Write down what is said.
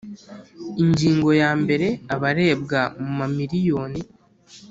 Ingingo ya mbere abarebwa mu mamiriyoni